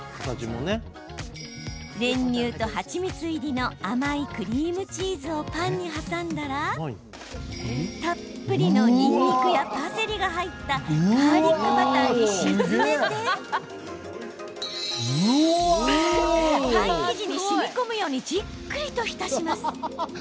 練乳と蜂蜜入りの甘いクリームチーズをパンに挟んだらたっぷりのにんにくやパセリが入ったガーリックバターに沈めてパン生地にしみこむようにじっくりと浸します。